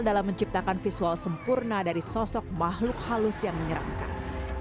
dalam menciptakan visual sempurna dari sosok makhluk halus yang menyeramkan